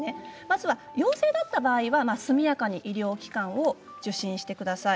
陽性だった場合は、速やかに医療機関を受診してください。